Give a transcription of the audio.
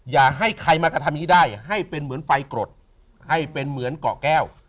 อย่าให้ใครมากระทำอย่างนี้ได้ให้เป็นเหมือนไฟกรดให้เป็นเหมือนเกาะแก้ว